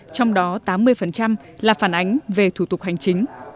trong đó tám mươi là phản ánh về thủ tục hành chính